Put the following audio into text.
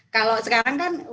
kalau sekarang kan